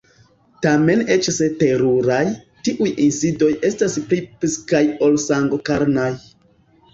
Tamen eĉ se teruraj, tiuj insidoj estas pli psikaj ol sango-karnaj.